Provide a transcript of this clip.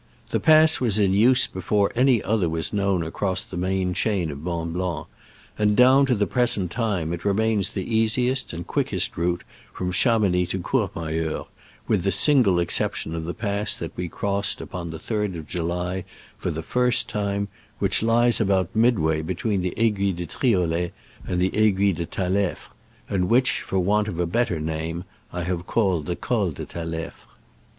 The pass was in use be fore any other was known across the main chain of Mont Blanc, and down to the present time it remains the easiest and quickest route from Chamounix to Courmayeur, with the single exception of the pass that we crossed upon the 3d of July for the first time, which lies about midway between the Aiguille de Triolet and the Aiguille de Talefre, and which, for want of a better name, I have called the Col de Talefre.